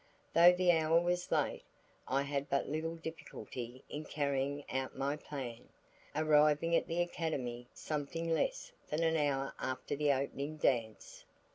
Though the hour was late I had but little difficulty in carrying out my plan, arriving at the Academy something less than an hour after the opening dance.